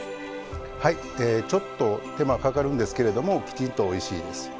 はいちょっと手間かかるんですけれどもきちんとおいしいです。